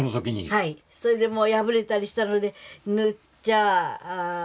それで破れたりしたので縫っちゃあ。